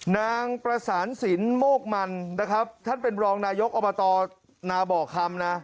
นางประสานสินโมกมันนะครับท่านเป็นรองนายกอบตนาบ่อคำนะ